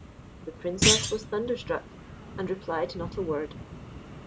The Princess was thunderstruck, and replied not a word.